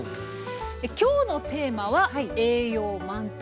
今日のテーマは「栄養満点！